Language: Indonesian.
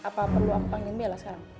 apa perlu aku panggil bella sekarang